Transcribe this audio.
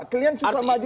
kalian susah majunya